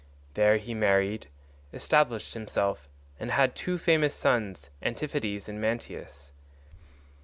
There he married, established himself, and had two famous sons Antiphates and Mantius.